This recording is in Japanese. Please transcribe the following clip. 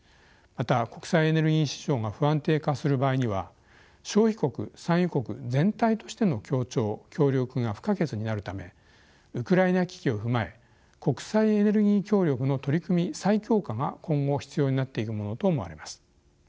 また国際エネルギー市場が不安定化する場合には消費国・産油国全体としての協調・協力が不可欠になるためウクライナ危機を踏まえ国際エネルギー協力の取り組み再強化が今後必要になっていくものと思われます。